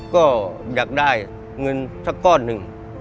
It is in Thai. ก็อยากได้เงินสักก้อนหนึ่ง